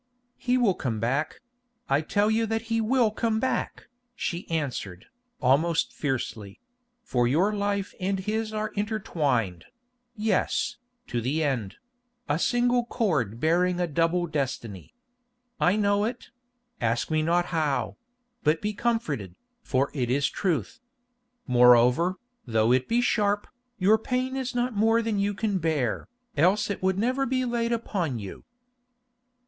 "He will come back; I tell you that he will come back," she answered, almost fiercely; "for your life and his are intertwined—yes, to the end—a single cord bearing a double destiny. I know it; ask me not how; but be comforted, for it is truth. Moreover, though it be sharp, your pain is not more than you can bear, else it would never be laid upon you."